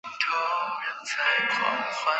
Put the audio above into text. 宽线叶柳为杨柳科柳属下的一个变种。